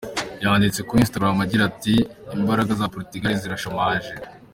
Yanditse kuri Instagram agira ati "Imbaraga za Portugal zirashamaje.